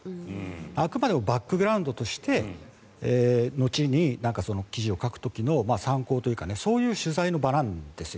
あくまでもバックグラウンドとして後に記事を書く時の参考というかそういう取材の場なんですよ。